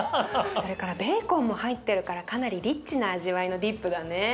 それからベーコンも入ってるからかなりリッチな味わいのディップだね。